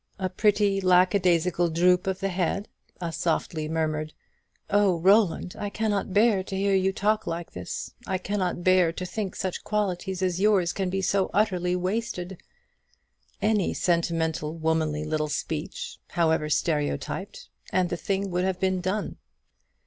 A pretty lackadaisical droop of the head; a softly murmured, "Oh, Roland, I cannot bear to hear you talk like this; I cannot bear to think such qualities as yours can be so utterly wasted;" any sentimental, womanly little speech, however stereotyped; and the thing would have been done.